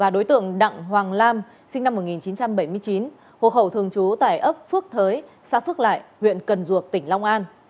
đối tượng đặng hoàng lam sinh năm một nghìn chín trăm bảy mươi chín hộ khẩu thường trú tại ấp phước thới xã phước lại huyện cần duộc tỉnh long an